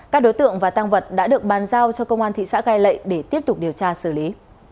các đối tượng và tăng vật đã được bàn giao cho công an thị xã cai lệ để tiếp tục điều tra xử lý